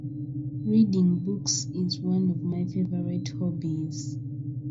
It also sponsors ocean cruises featuring on-board inspirational speakers.